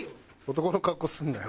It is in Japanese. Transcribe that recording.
男の格好するなよ。